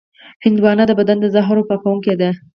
هندوانه د بدن د زهرو پاکوونکې ده.